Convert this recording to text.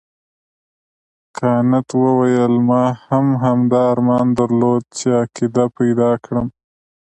کانت وویل ما هم همدا ارمان درلود چې عقیده پیدا کړم.